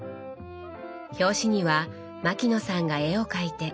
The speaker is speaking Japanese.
表紙には牧野さんが絵を描いて。